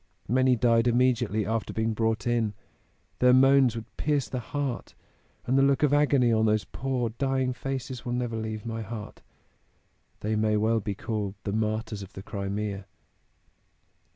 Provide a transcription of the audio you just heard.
Many died immediately after being brought in their moans would pierce the heart and the look of agony on those poor dying faces will never leave my heart. They may well be called 'the martyrs of the Crimea.'"